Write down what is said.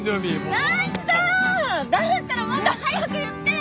だったらもっと早く言ってよ！